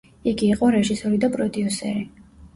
იგი იყო რეჟისორი და პროდიუსერი.